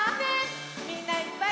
みんないっぱい。